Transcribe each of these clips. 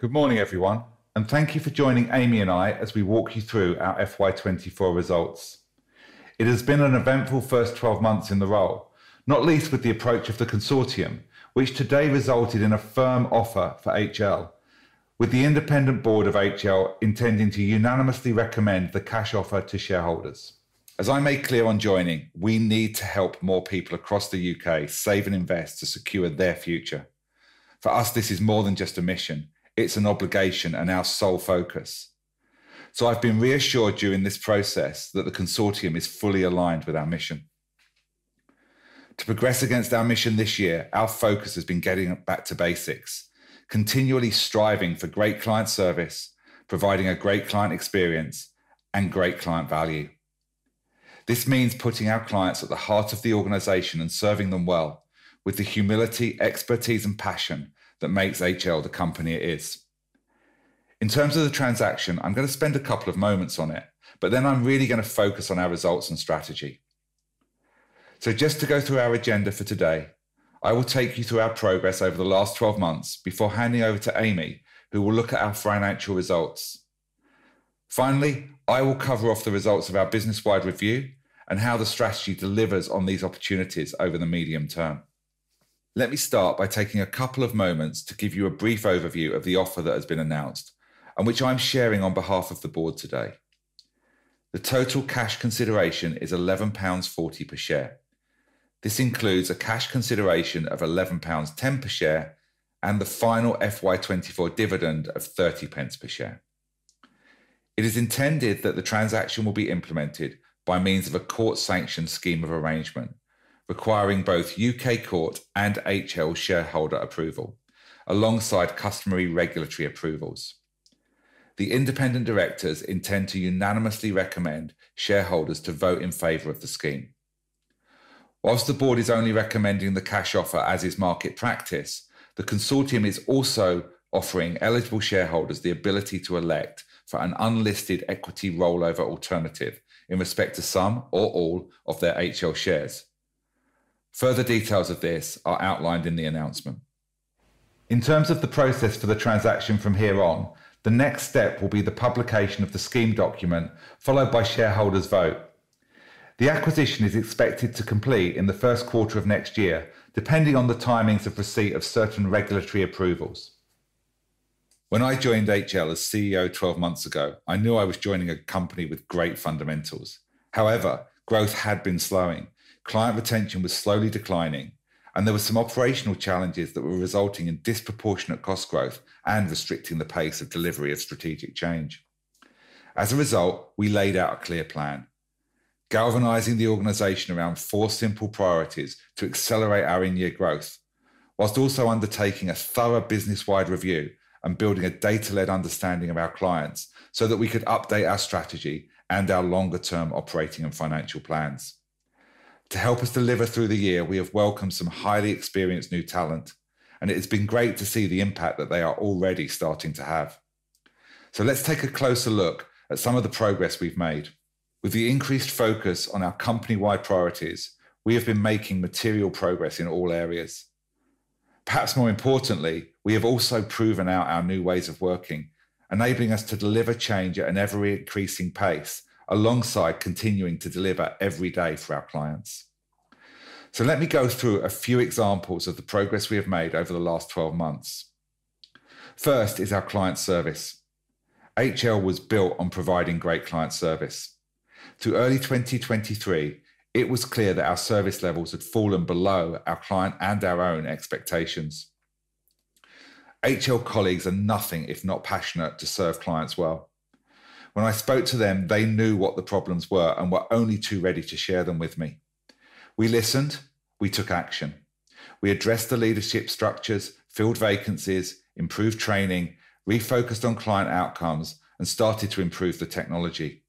Good morning, everyone, and thank you for joining Amy and I as we walk you through our FY 2024 results. It has been an eventful first 12 months in the role, not least with the approach of the consortium, which today resulted in a firm offer for HL. With the independent board of HL intending to unanimously recommend the cash offer to shareholders. As I made clear on joining, we need to help more people across the U.K. save and invest to secure their future. For us, this is more than just a mission, it's an obligation and our sole focus. So I've been reassured during this process that the consortium is fully aligned with our mission. To progress against our mission this year, our focus has been getting back to basics, continually striving for great client service, providing a great client experience and great client value. This means putting our clients at the heart of the organization and serving them well with the humility, expertise, and passion that makes HL the company it is. In terms of the transaction, I'm going to spend a couple of moments on it, but then I'm really going to focus on our results and strategy. So just to go through our agenda for today, I will take you through our progress over the last 12 months before handing over to Amy, who will look at our financial results. Finally, I will cover off the results of our business-wide review and how the strategy delivers on these opportunities over the medium term. Let me start by taking a couple of moments to give you a brief overview of the offer that has been announced, and which I'm sharing on behalf of the board today. The total cash consideration is 11.40 pounds per share. This includes a cash consideration of 11.10 pounds per share and the final FY 2024 dividend of 0.30 per share. It is intended that the transaction will be implemented by means of a court-sanctioned scheme of arrangement, requiring both U.K. court and HL shareholder approval, alongside customary regulatory approvals. The independent directors intend to unanimously recommend shareholders to vote in favor of the scheme. Whilst the board is only recommending the cash offer as is market practice, the consortium is also offering eligible shareholders the ability to elect for an unlisted equity rollover alternative in respect to some or all of their HL shares. Further details of this are outlined in the announcement. In terms of the process for the transaction from here on, the next step will be the publication of the scheme document, followed by shareholders' vote. The acquisition is expected to complete in the first quarter of next year, depending on the timings of receipt of certain regulatory approvals. When I joined HL as CEO 12 months ago, I knew I was joining a company with great fundamentals. However, growth had been slowing, client retention was slowly declining, and there were some operational challenges that were resulting in disproportionate cost growth and restricting the pace of delivery of strategic change. As a result, we laid out a clear plan, galvanizing the organization around four simple priorities to accelerate our in-year growth, while also undertaking a thorough business-wide review and building a data-led understanding of our clients so that we could update our strategy and our longer term operating and financial plans. To help us deliver through the year, we have welcomed some highly experienced new talent, and it has been great to see the impact that they are already starting to have. So let's take a closer look at some of the progress we've made. With the increased focus on our company-wide priorities, we have been making material progress in all areas. Perhaps more importantly, we have also proven out our new ways of working, enabling us to deliver change at an ever-increasing pace, alongside continuing to deliver every day for our clients. So let me go through a few examples of the progress we have made over the last 12 months. First is our client service. HL was built on providing great client service. Through early 2023, it was clear that our service levels had fallen below our client and our own expectations. HL colleagues are nothing if not passionate to serve clients well. When I spoke to them, they knew what the problems were and were only too ready to share them with me. We listened, we took action. We addressed the leadership structures, filled vacancies, improved training, refocused on client outcomes, and started to improve the technology.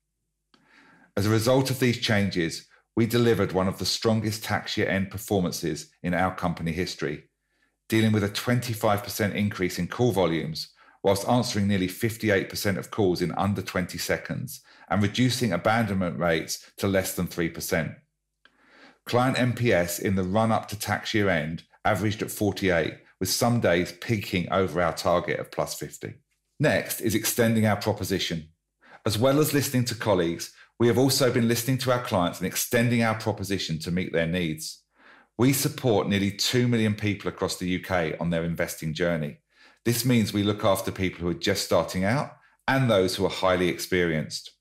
As a result of these changes, we delivered one of the strongest tax year end performances in our company history, dealing with a 25% increase in call volumes while answering nearly 58% of calls in under 20 seconds and reducing abandonment rates to less than 3%. Client NPS in the run-up to tax year end averaged 48, with some days peaking over our target of +50. Next is extending our proposition. As well as listening to colleagues, we have also been listening to our clients and extending our proposition to meet their needs. We support nearly two million people across the U.K. on their investing journey. This means we look after people who are just starting out and those who are highly experienced.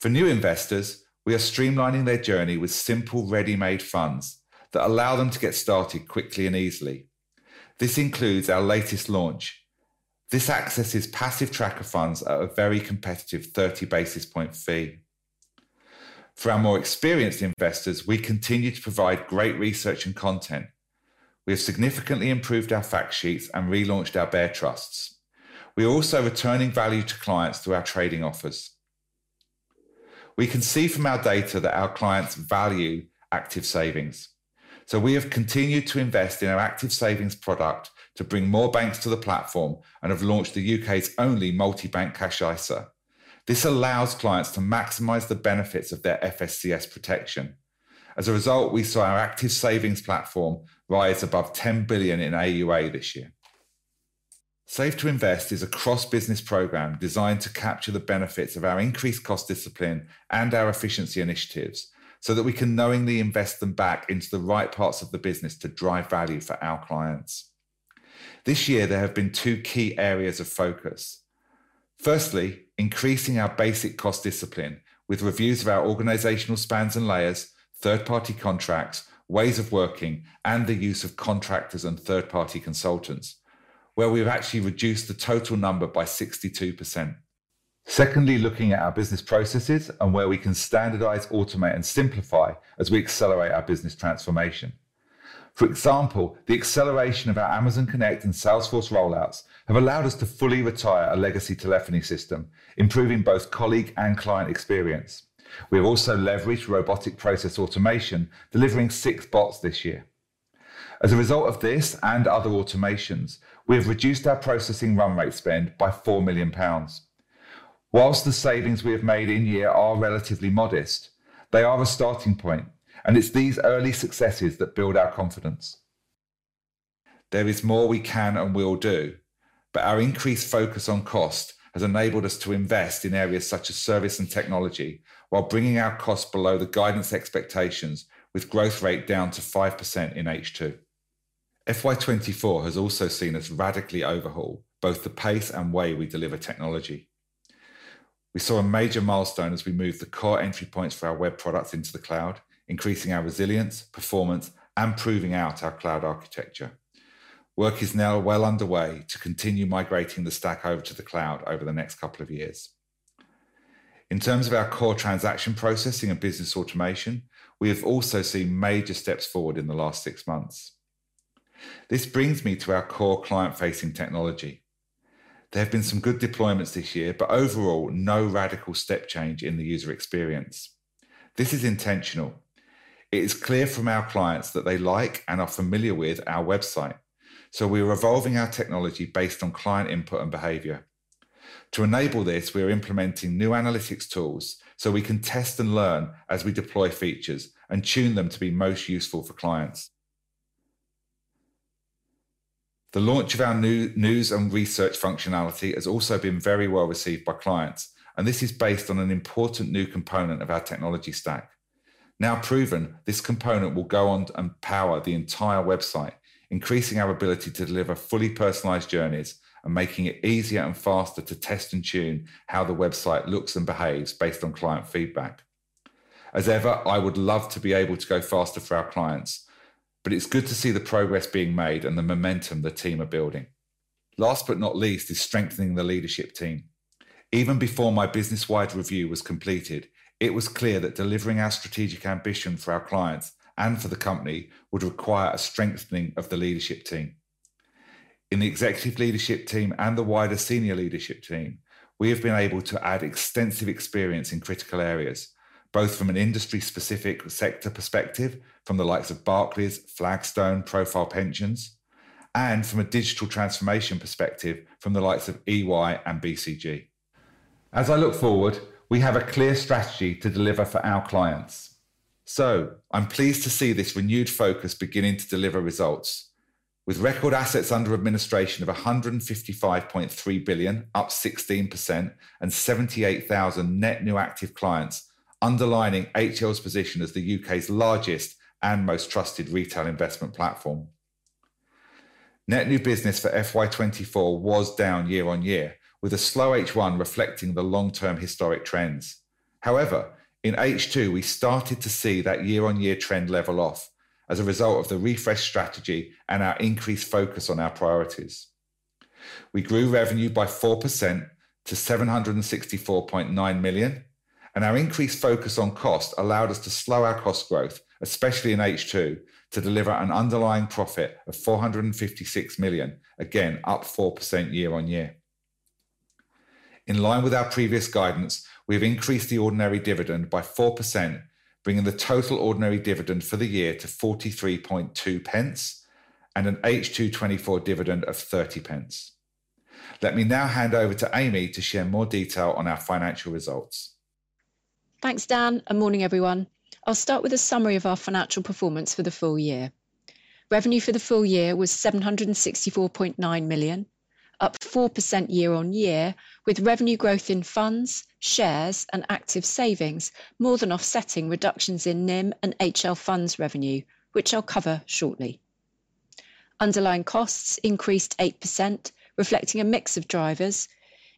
For new investors, we are streamlining their journey with simple, ready-made funds that allow them to get started quickly and easily. This includes our latest launch. This accesses passive tracker funds at a very competitive 30 basis point fee. For our more experienced investors, we continue to provide great research and content. We have significantly improved our factsheets and relaunched our bare trusts. We are also returning value to clients through our trading offers. We can see from our data that our clients value Active Savings, so we have continued to invest in our Active Savings product to bring more banks to the platform and have launched the U.K.'s only multi-bank Cash ISA. This allows clients to maximize the benefits of their FSCS protection. As a result, we saw our Active Savings platform rise above 10 billion in AUA this year. Save to Invest is a cross-business program designed to capture the benefits of our increased cost discipline and our efficiency initiatives, so that we can knowingly invest them back into the right parts of the business to drive value for our clients. This year, there have been two key areas of focus. Firstly, increasing our basic cost discipline with reviews of our organizational spans and layers, third-party contracts, ways of working, and the use of contractors and third-party consultants, where we've actually reduced the total number by 62%. Secondly, looking at our business processes and where we can standardize, automate, and simplify as we accelerate our business transformation. For example, the acceleration of our Amazon Connect and Salesforce rollouts have allowed us to fully retire a legacy telephony system, improving both colleague and client experience. We have also leveraged robotic process automation, delivering six bots this year. As a result of this and other automations, we have reduced our processing run rate spend by 4 million pounds. Whilst the savings we have made in year are relatively modest, they are the starting point, and it's these early successes that build our confidence. There is more we can and will do, but our increased focus on cost has enabled us to invest in areas such as service and technology, while bringing our costs below the guidance expectations, with growth rate down to 5% in H2. FY 2024 has also seen us radically overhaul both the pace and way we deliver technology. We saw a major milestone as we moved the core entry points for our web products into the cloud, increasing our resilience, performance, and proving out our cloud architecture. Work is now well underway to continue migrating the stack over to the cloud over the next couple of years. In terms of our core transaction processing and business automation, we have also seen major steps forward in the last six months. This brings me to our core client-facing technology. There have been some good deployments this year, but overall, no radical step change in the user experience. This is intentional. It is clear from our clients that they like and are familiar with our website, so we are evolving our technology based on client input and behavior. To enable this, we are implementing new analytics tools, so we can test and learn as we deploy features and tune them to be most useful for clients. The launch of our new News and Research functionality has also been very well received by clients, and this is based on an important new component of our technology stack. Now proven, this component will go on and power the entire website, increasing our ability to deliver fully personalized journeys and making it easier and faster to test and tune how the website looks and behaves based on client feedback. As ever, I would love to be able to go faster for our clients, but it's good to see the progress being made and the momentum the team are building. Last but not least, is strengthening the leadership team. Even before my business-wide review was completed, it was clear that delivering our strategic ambition for our clients and for the company would require a strengthening of the leadership team. In the executive leadership team and the wider senior leadership team, we have been able to add extensive experience in critical areas, both from an industry-specific sector perspective, from the likes of Barclays, Flagstone, Profile Pensions, and from a digital transformation perspective from the likes of EY and BCG. As I look forward, we have a clear strategy to deliver for our clients, so I'm pleased to see this renewed focus beginning to deliver results. With record assets under administration of 155.3 billion, up 16%, and 78,000 net new active clients, underlining HL's position as the U.K.'s largest and most trusted retail investment platform. Net new business for FY 2024 was down year-on-year, with a slow H1 reflecting the long-term historic trends. However, in H2, we started to see that year-on-year trend level off as a result of the refreshed strategy and our increased focus on our priorities. We grew revenue by 4% to 764.9 million, and our increased focus on cost allowed us to slow our cost growth, especially in H2, to deliver an underlying profit of 456 million, again, up 4% year-on-year. In line with our previous guidance, we've increased the ordinary dividend by 4%, bringing the total ordinary dividend for the year to 0.432, and an H2 2024 dividend of 0.30. Let me now hand over to Amy to share more detail on our financial results. Thanks, Dan, and morning, everyone. I'll start with a summary of our financial performance for the full-year. Revenue for the full-year was 764.9 million, up 4% year-on-year, with revenue growth in funds, shares, and Active Savings, more than offsetting reductions in NIM and HL Funds revenue, which I'll cover shortly. Underlying costs increased 8%, reflecting a mix of drivers.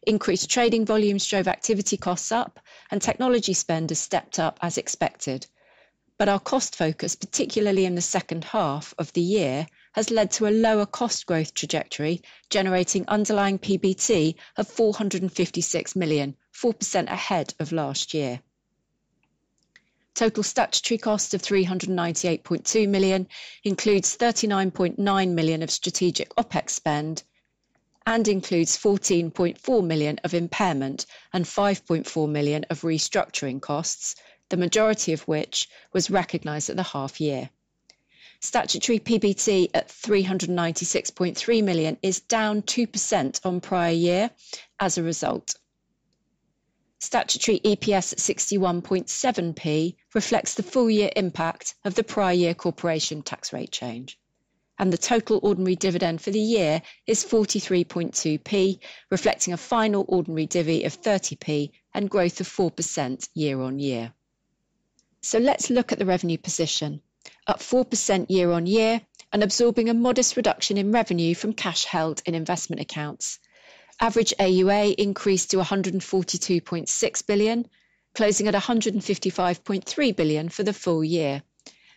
Increased trading volumes drove activity costs up, and technology spend has stepped up as expected. But our cost focus, particularly in the second half of the year, has led to a lower cost growth trajectory, generating underlying PBT of 456 million, 4% ahead of last year. Total statutory cost of 398.2 million includes 39.9 million of strategic OpEx spend and includes 14.4 million of impairment and 5.4 million of restructuring costs, the majority of which was recognized at the half year. Statutory PBT at 396.3 million is down 2% on prior year as a result. Statutory EPS at 61.7p reflects the full-year impact of the prior year corporation tax rate change, and the total ordinary dividend for the year is 43.2p, reflecting a final ordinary dividend of 30p and growth of 4% year-on-year. So let's look at the revenue position. At 4% year-on-year and absorbing a modest reduction in revenue from cash held in investment accounts. Average AUA increased to 142.6 billion, closing at 155.3 billion for the full-year,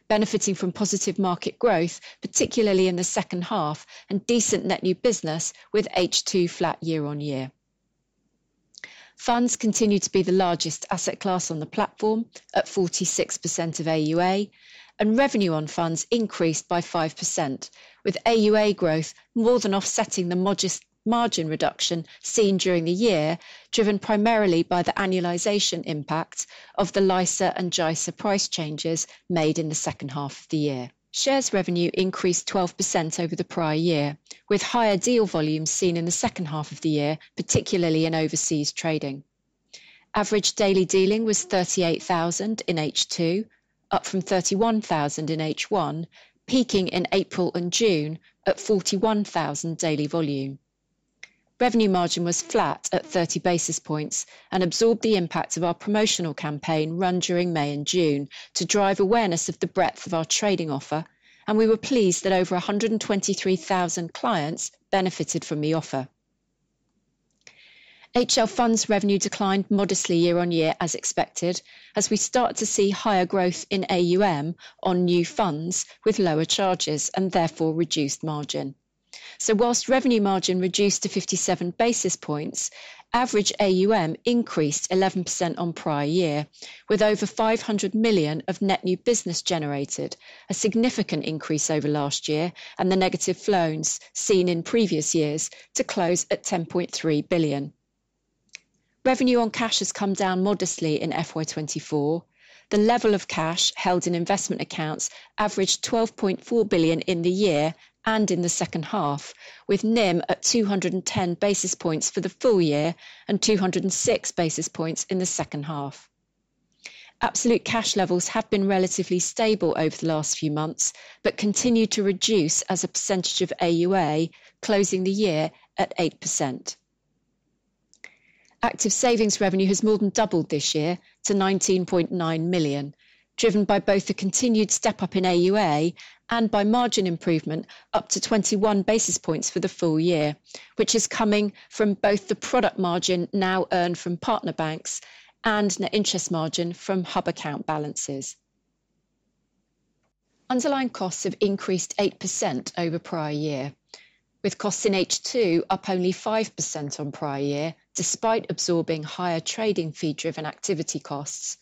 benefiting from positive market growth, particularly in the second half, and decent net new business with H2 flat year-on-year. Funds continue to be the largest asset class on the platform at 46% of AUA, and revenue on funds increased by 5%, with AUA growth more than offsetting the modest margin reduction seen during the year, driven primarily by the annualization impact of the LISA and JISA price changes made in the second half of the year. Shares revenue increased 12% over the prior year, with higher deal volumes seen in the second half of the year, particularly in overseas trading. Average daily dealing was 38,000 in H2, up from 31,000 in H1, peaking in April and June at 41,000 daily volume. Revenue margin was flat at 30 basis points and absorbed the impact of our promotional campaign run during May and June to drive awareness of the breadth of our trading offer, and we were pleased that over 123,000 clients benefited from the offer. HL Funds revenue declined modestly year-on-year, as expected, as we start to see higher growth in AUM on new funds with lower charges and therefore reduced margin. So while revenue margin reduced to 57 basis points, average AUM increased 11% on prior year, with over 500 million of net new business generated, a significant increase over last year, and the negative flows seen in previous years to close at 10.3 billion. Revenue on cash has come down modestly in FY 2024. The level of cash held in investment accounts averaged 12.4 billion in the year and in the second half, with NIM at 210 basis points for the full-year and 206 basis points in the second half. Absolute cash levels have been relatively stable over the last few months, but continue to reduce as a percentage of AUA, closing the year at 8%. Active Savings revenue has more than doubled this year to 19.9 million, driven by both the continued step up in AUA and by margin improvement up to 21 basis points for the full-year, which is coming from both the product margin now earned from partner banks and net interest margin from hub account balances. Underlying costs have increased 8% over prior year, with costs in H2 up only 5% on prior year, despite absorbing higher trading fee-driven activity costs,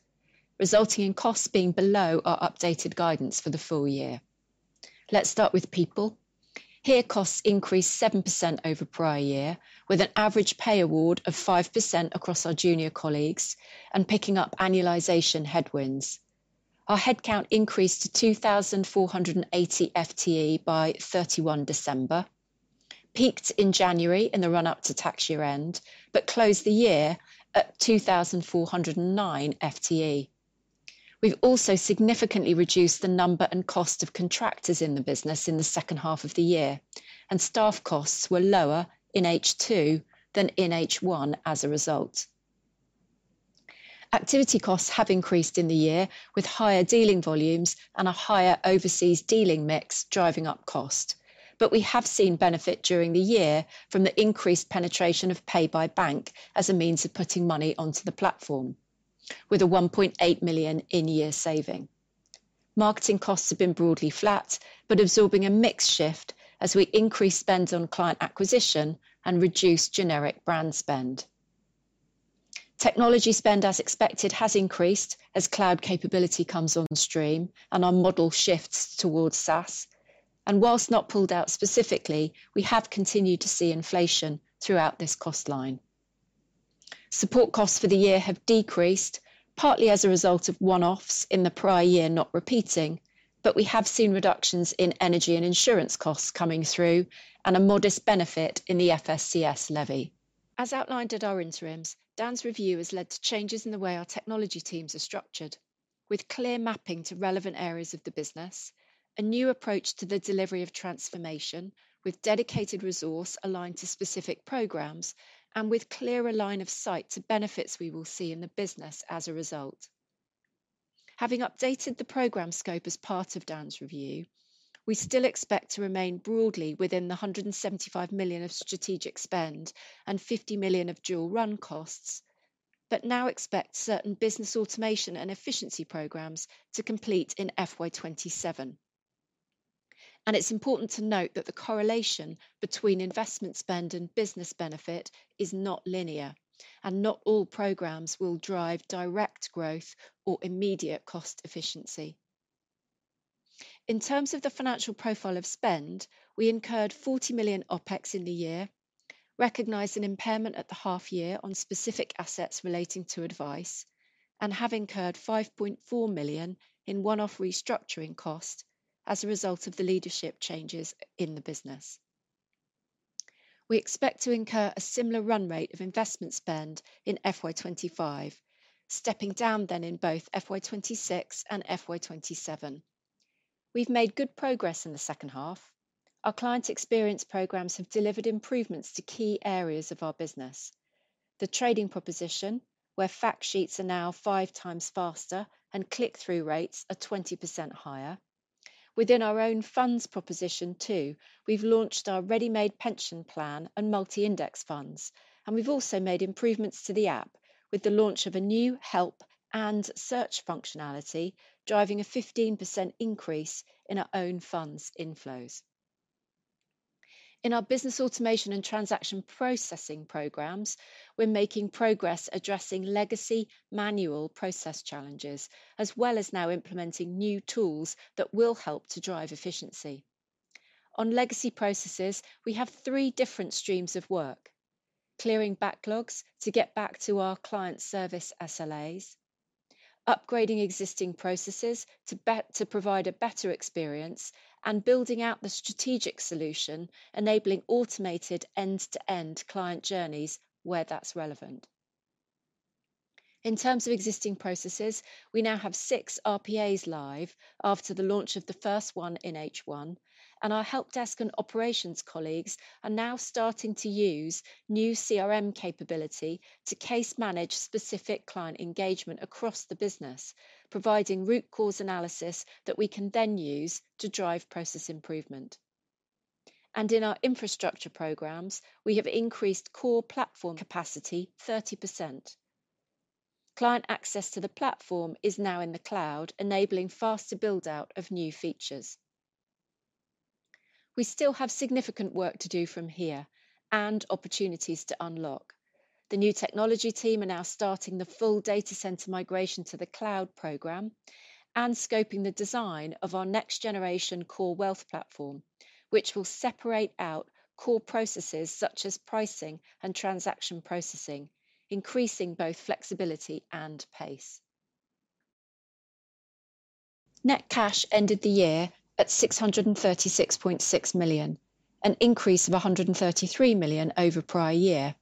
resulting in costs being below our updated guidance for the full-year. Let's start with people. Here, costs increased 7% over prior year, with an average pay award of 5% across our junior colleagues and picking up annualization headwinds. Our headcount increased to 2,480 FTE by 31 December, peaked in January in the run-up to tax year end, but closed the year at 2,409 FTE. We've also significantly reduced the number and cost of contractors in the business in the second half of the year, and staff costs were lower in H2 than in H1 as a result. Activity costs have increased in the year, with higher dealing volumes and a higher overseas dealing mix driving up costs. But we have seen benefit during the year from the increased penetration of Pay by Bank as a means of putting money onto the platform, with a 1.8 million in-year saving. Marketing costs have been broadly flat, but absorbing a mix shift as we increase spend on client acquisition and reduce generic brand spend. Technology spend, as expected, has increased as cloud capability comes on stream and our model shifts towards SaaS. And whilst not pulled out specifically, we have continued to see inflation throughout this cost line. Support costs for the year have decreased, partly as a result of one-offs in the prior year, not repeating, but we have seen reductions in energy and insurance costs coming through and a modest benefit in the FSCS levy. As outlined at our interims, Dan's review has led to changes in the way our technology teams are structured, with clear mapping to relevant areas of the business, a new approach to the delivery of transformation, with dedicated resource aligned to specific programs, and with clearer line of sight to benefits we will see in the business as a result. Having updated the program scope as part of Dan's review, we still expect to remain broadly within the 175 million of strategic spend and 50 million of dual run costs, but now expect certain business automation and efficiency programs to complete in FY 2027. It's important to note that the correlation between investment spend and business benefit is not linear, and not all programs will drive direct growth or immediate cost efficiency. In terms of the financial profile of spend, we incurred 40 million OpEx in the year, recognized an impairment at the half year on specific assets relating to advice, and have incurred 5.4 million in one-off restructuring cost as a result of the leadership changes in the business. We expect to incur a similar run rate of investment spend in FY 2025, stepping down then in both FY 2026 and FY 2027. We've made good progress in the second half. Our client experience programs have delivered improvements to key areas of our business. The trading proposition, where factsheets are now 5x faster and click-through rates are 20% higher. Within our own funds proposition, too, we've launched our Ready-Made Pension plan and Multi-Index funds, and we've also made improvements to the app with the launch of a new Help and Search functionality, driving a 15% increase in our own funds' inflows. In our business automation and transaction processing programs, we're making progress addressing legacy manual process challenges, as well as now implementing new tools that will help to drive efficiency. On legacy processes, we have three different streams of work: clearing backlogs to get back to our client service SLAs, upgrading existing processes to provide a better experience, and building out the strategic solution, enabling automated end-to-end client journeys where that's relevant. In terms of existing processes, we now have 6 RPAs live after the launch of the first one in H1, and our help desk and operations colleagues are now starting to use new CRM capability to case manage specific client engagement across the business, providing root cause analysis that we can then use to drive process improvement. In our infrastructure programs, we have increased core platform capacity 30%. Client access to the platform is now in the cloud, enabling faster build-out of new features. We still have significant work to do from here and opportunities to unlock. The new technology team are now starting the full data center migration to the cloud program and scoping the design of our next-generation core wealth platform, which will separate out core processes such as pricing and transaction processing, increasing both flexibility and pace. Net cash ended the year at 636.6 million, an increase of 133 million over prior year,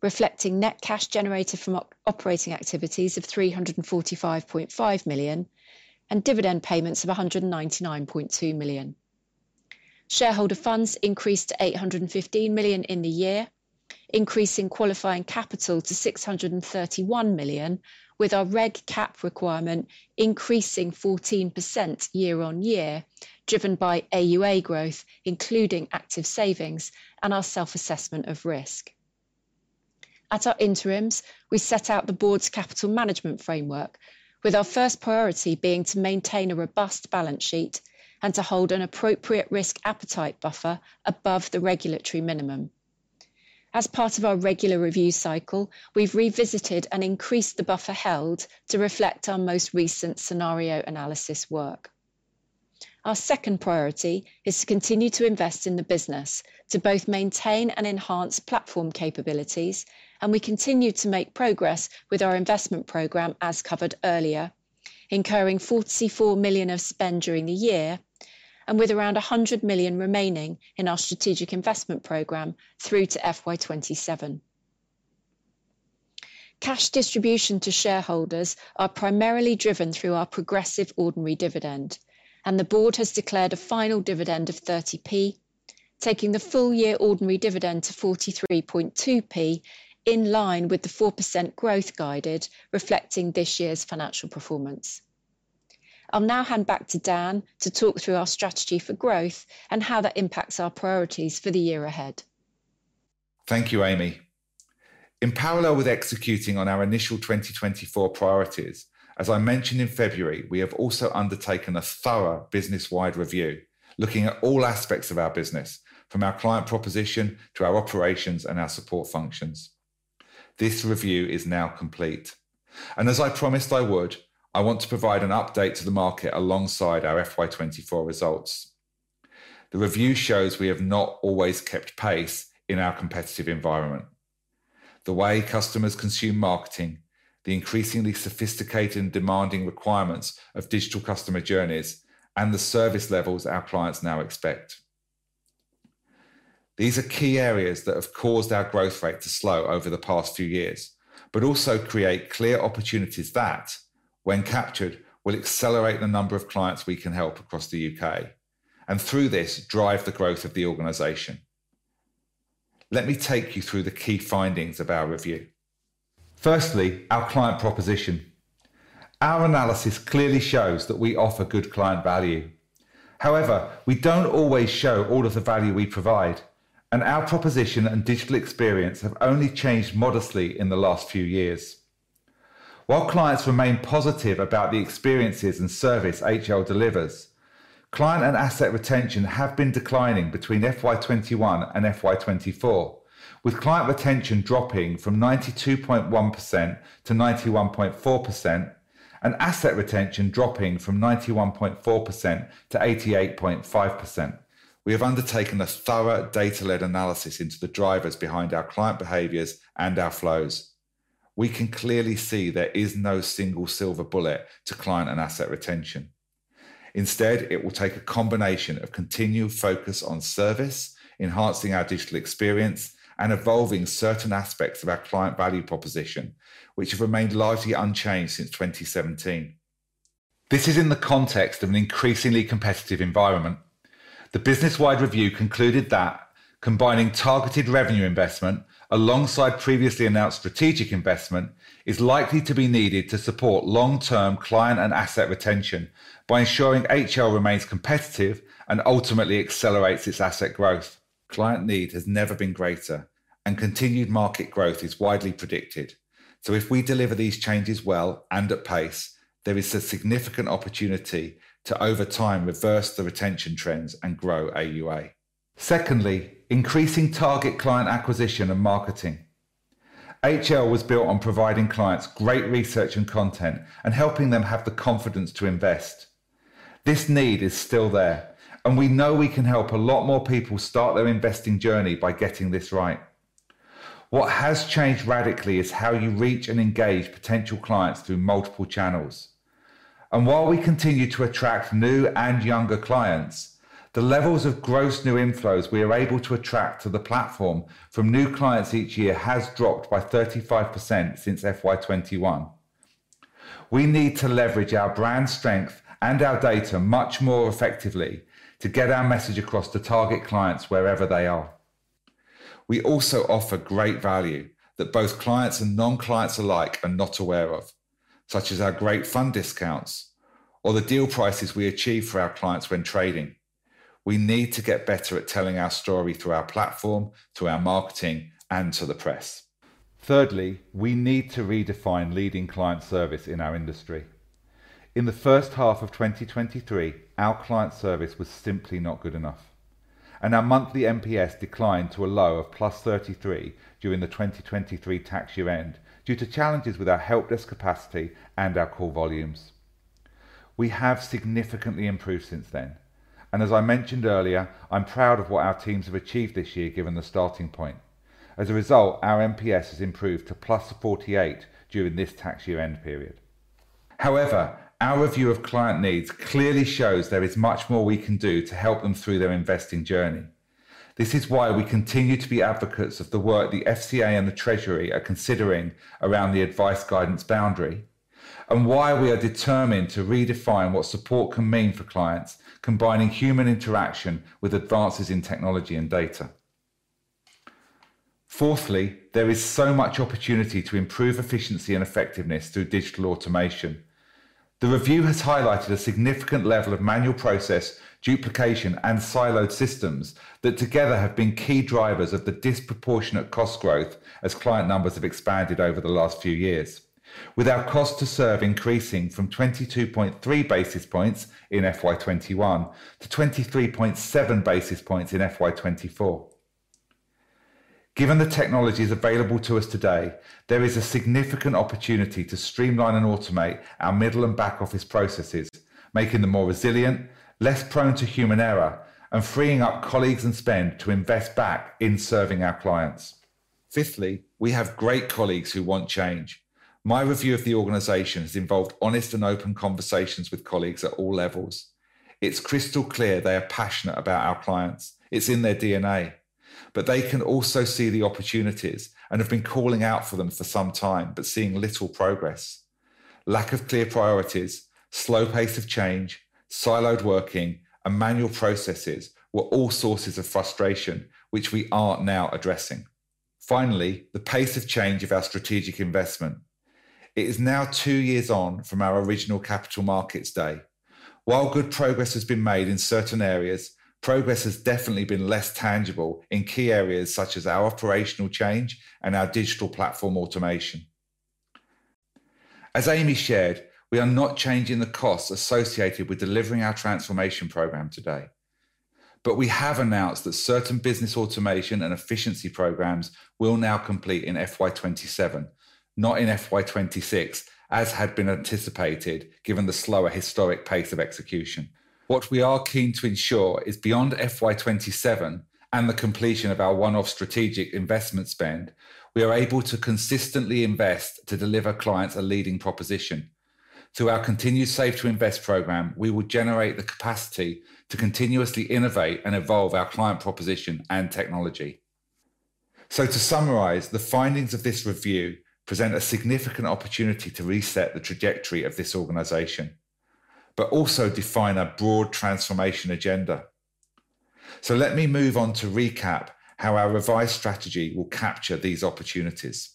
reflecting net cash generated from operating activities of 345.5 million and dividend payments of 199.2 million. Shareholder funds increased to 815 million in the year, increasing qualifying capital to 631 million, with our regulatory capital requirement increasing 14% year-on-year, driven by AUA growth, including Active Savings and our self-assessment of risk. At our interims, we set out the board's capital management framework, with our first priority being to maintain a robust balance sheet and to hold an appropriate risk appetite buffer above the regulatory minimum. As part of our regular review cycle, we've revisited and increased the buffer held to reflect our most recent scenario analysis work. Our second priority is to continue to invest in the business, to both maintain and enhance platform capabilities, and we continue to make progress with our investment program, as covered earlier, incurring 44 million of spend during the year and with around 100 million remaining in our strategic investment program through to FY 2027. Cash distribution to shareholders are primarily driven through our progressive ordinary dividend, and the board has declared a final dividend of 30p, taking the full-year ordinary dividend to 43.2p, in line with the 4% growth guided, reflecting this year's financial performance. I'll now hand back to Dan to talk through our strategy for growth and how that impacts our priorities for the year ahead. Thank you, Amy. In parallel with executing on our initial 2024 priorities, as I mentioned in February, we have also undertaken a thorough business-wide review, looking at all aspects of our business, from our client proposition to our operations and our support functions. This review is now complete, and as I promised I would, I want to provide an update to the market alongside our FY 2024 results. The review shows we have not always kept pace in our competitive environment. The way customers consume marketing, the increasingly sophisticated and demanding requirements of digital customer journeys, and the service levels our clients now expect. These are key areas that have caused our growth rate to slow over the past few years, but also create clear opportunities that, when captured, will accelerate the number of clients we can help across the U.K., and through this, drive the growth of the organization. Let me take you through the key findings of our review. Firstly, our client proposition. Our analysis clearly shows that we offer good client value. However, we don't always show all of the value we provide, and our proposition and digital experience have only changed modestly in the last few years. While clients remain positive about the experiences and service HL delivers, client and asset retention have been declining between FY 2021 and FY 2024, with client retention dropping from 92.1% to 91.4% and asset retention dropping from 91.4% to 88.5%. We have undertaken a thorough data-led analysis into the drivers behind our client behaviors and our flows. We can clearly see there is no single silver bullet to client and asset retention. Instead, it will take a combination of continued focus on service, enhancing our digital experience, and evolving certain aspects of our client value proposition, which have remained largely unchanged since 2017. This is in the context of an increasingly competitive environment. The business-wide review concluded that combining targeted revenue investment alongside previously announced strategic investment is likely to be needed to support long-term client and asset retention by ensuring HL remains competitive and ultimately accelerates its asset growth. Client need has never been greater, and continued market growth is widely predicted. So if we deliver these changes well and at pace, there is a significant opportunity to, over time, reverse the retention trends and grow AUA. Secondly, increasing target client acquisition and marketing. HL was built on providing clients great research and content and helping them have the confidence to invest. This need is still there, and we know we can help a lot more people start their investing journey by getting this right. What has changed radically is how you reach and engage potential clients through multiple channels. And while we continue to attract new and younger clients, the levels of gross new inflows we are able to attract to the platform from new clients each year has dropped by 35% since FY 2021. We need to leverage our brand strength and our data much more effectively to get our message across to target clients wherever they are. We also offer great value that both clients and non-clients alike are not aware of, such as our great fund discounts or the deal prices we achieve for our clients when trading. We need to get better at telling our story through our platform, through our marketing, and to the press. Thirdly, we need to redefine leading client service in our industry. In the first half of 2023, our client service was simply not good enough, and our monthly NPS declined to a low of +33 during the 2023 tax year end due to challenges with our helpdesk capacity and our call volumes. We have significantly improved since then, and as I mentioned earlier, I'm proud of what our teams have achieved this year, given the starting point. As a result, our NPS has improved to +48 during this tax year end period. However, our review of client needs clearly shows there is much more we can do to help them through their investing journey. This is why we continue to be advocates of the work the FCA and the Treasury are considering around the Advice Guidance Boundary, and why we are determined to redefine what support can mean for clients, combining human interaction with advances in technology and data. Fourthly, there is so much opportunity to improve efficiency and effectiveness through digital automation. The review has highlighted a significant level of manual process, duplication, and siloed systems that together have been key drivers of the disproportionate cost growth as client numbers have expanded over the last few years. With our cost to serve increasing from 22.3 basis points in FY 2021 to 23.7 basis points in FY 2024. Given the technologies available to us today, there is a significant opportunity to streamline and automate our middle and back-office processes, making them more resilient, less prone to human error, and freeing up colleagues and spend to invest back in serving our clients. Fifthly, we have great colleagues who want change. My review of the organization has involved honest and open conversations with colleagues at all levels. It's crystal clear they are passionate about our clients. It's in their DNA. But they can also see the opportunities and have been calling out for them for some time, but seeing little progress. Lack of clear priorities, slow pace of change, siloed working, and manual processes were all sources of frustration, which we are now addressing. Finally, the pace of change of our strategic investment. It is now two years on from our original Capital Markets Day. While good progress has been made in certain areas, progress has definitely been less tangible in key areas such as our operational change and our digital platform automation. As Amy shared, we are not changing the costs associated with delivering our transformation program today, but we have announced that certain business automation and efficiency programs will now complete in FY 2027, not in FY 2026, as had been anticipated, given the slower historic pace of execution. What we are keen to ensure is beyond FY 2027 and the completion of our one-off strategic investment spend, we are able to consistently invest to deliver clients a leading proposition. Through our continued Save to Invest program, we will generate the capacity to continuously innovate and evolve our client proposition and technology. So to summarize, the findings of this review present a significant opportunity to reset the trajectory of this organization, but also define a broad transformation agenda. So let me move on to recap how our revised strategy will capture these opportunities.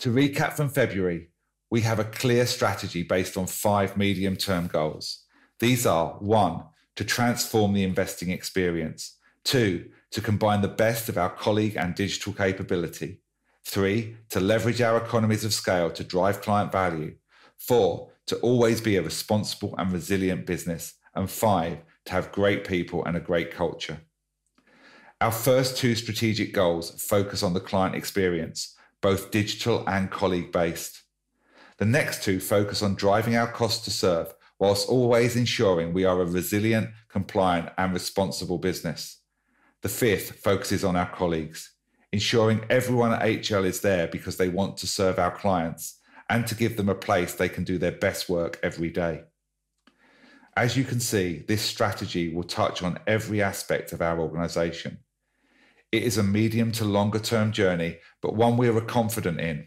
To recap from February, we have a clear strategy based on five medium-term goals. These are, one, to transform the investing experience. Two, to combine the best of our colleague and digital capability. Three, to leverage our economies of scale to drive client value. Four, to always be a responsible and resilient business. And five, to have great people and a great culture. Our first two strategic goals focus on the client experience, both digital and colleague-based.... The next two focus on driving our cost to serve, whilst always ensuring we are a resilient, compliant, and responsible business. The fifth focuses on our colleagues, ensuring everyone at HL is there because they want to serve our clients and to give them a place they can do their best work every day. As you can see, this strategy will touch on every aspect of our organization. It is a medium to longer-term journey, but one we are confident in.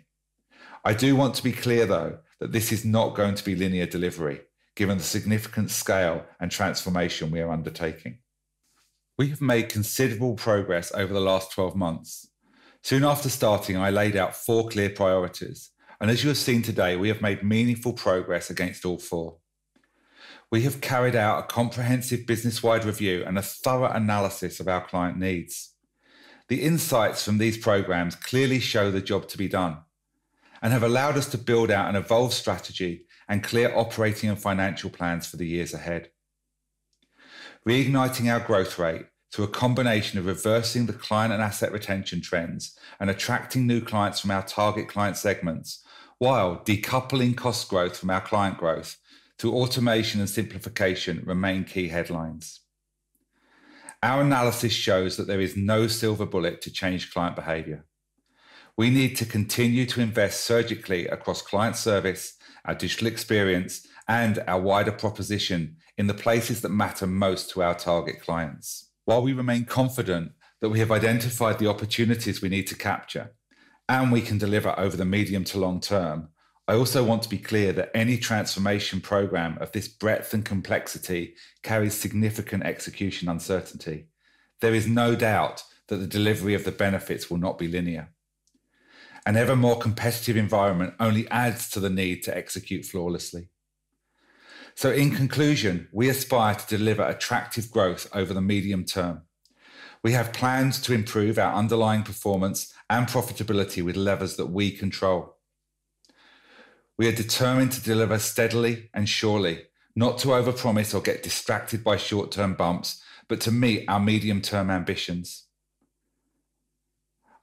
I do want to be clear, though, that this is not going to be linear delivery, given the significant scale and transformation we are undertaking. We have made considerable progress over the last 12 months. Soon after starting, I laid out four clear priorities, and as you have seen today, we have made meaningful progress against all four. We have carried out a comprehensive business-wide review and a thorough analysis of our client needs. The insights from these programs clearly show the job to be done and have allowed us to build out an evolved strategy and clear operating and financial plans for the years ahead. Reigniting our growth rate through a combination of reversing the client and asset retention trends and attracting new clients from our target client segments, while decoupling cost growth from our client growth through automation and simplification remain key headlines. Our analysis shows that there is no silver bullet to change client behavior. We need to continue to invest surgically across client service, our digital experience, and our wider proposition in the places that matter most to our target clients. While we remain confident that we have identified the opportunities we need to capture and we can deliver over the medium to long term, I also want to be clear that any transformation program of this breadth and complexity carries significant execution uncertainty. There is no doubt that the delivery of the benefits will not be linear. An ever more competitive environment only adds to the need to execute flawlessly. So in conclusion, we aspire to deliver attractive growth over the medium term. We have plans to improve our underlying performance and profitability with levers that we control. We are determined to deliver steadily and surely, not to overpromise or get distracted by short-term bumps, but to meet our medium-term ambitions.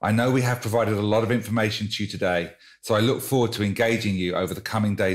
I know we have provided a lot of information to you today, so I look forward to engaging you over the coming days.